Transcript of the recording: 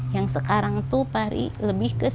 yang sekarang itu fahri lebih kebaikan